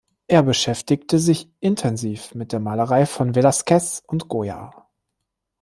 Er beschäftigte sich intensiv mit der Malerei von Velazquez und Goya.